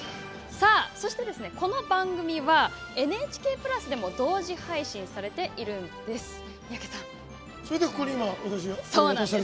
そして、この番組はＮＨＫプラスでも同時配信されているんです。